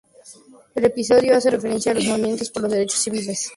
El episodio hace referencia al movimiento por los derechos civiles en Estados Unidos.